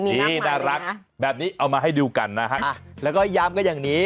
นี่น่ารักแบบนี้เอามาให้ดูกันนะฮะแล้วก็ย้ำกันอย่างนี้